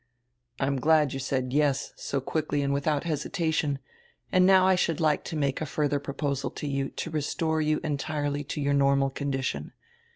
"I am glad you said yes, so quickly and without hesitation, and now I should like to make a further proposal to you to restore you entirely to your normal condition.